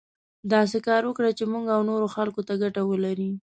داسې کار وکړو چې موږ او نورو خلکو ته ګټه ولري.